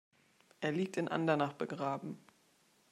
Er liegt in Andernach begraben.